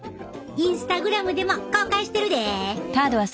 インスタグラムでも公開してるでえ。